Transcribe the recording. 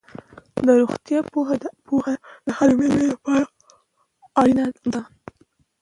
د روغتیا په اړه پوهه د هرې میندې لپاره اړینه ده.